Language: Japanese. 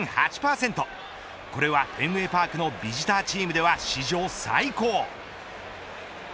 これはフェンウェイパークのビジターチームでは史上最高。